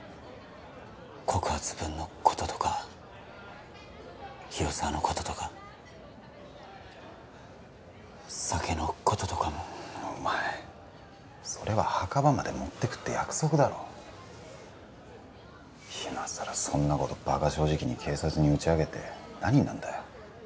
告発文のこととか広沢のこととか酒のこととかもお前それは墓場まで持ってくって約束だろ今さらそんなことバカ正直に警察に打ち明けて何になんだよ